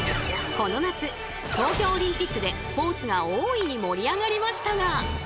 この夏東京オリンピックでスポーツが大いに盛り上がりましたが。